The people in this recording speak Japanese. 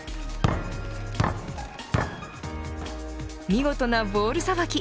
見事なボールさばき。